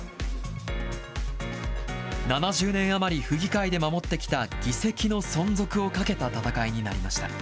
７０年余り、府議会で守ってきた議席の存続をかけた戦いになりました。